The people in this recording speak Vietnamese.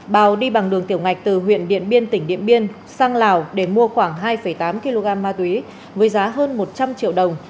bào đi bằng đường tiểu ngạch từ huyện điện biên tỉnh điện biên sang lào để mua khoảng hai tám kg ma túy với giá hơn một trăm linh triệu đồng